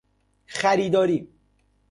خریداری